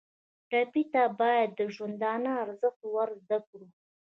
ټپي ته باید د ژوندانه ارزښت ور زده کړو.